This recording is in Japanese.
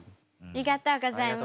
ありがとうございます。